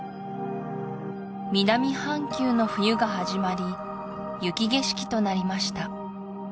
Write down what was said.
南半球の冬が始まり雪景色となりました